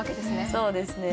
そうですね。